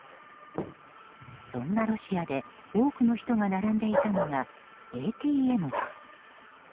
そんなロシアで多くの人が並んでいたのがＡＴＭです。